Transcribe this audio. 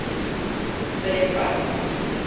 洗版